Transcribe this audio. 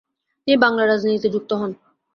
তিনি বাংলার রাজনীতিতে যুক্ত হন।